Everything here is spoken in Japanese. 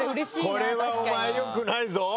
これはお前良くないぞ。